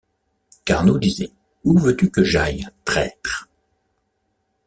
Carnot disait: Où veux-tu que j’aille, traître?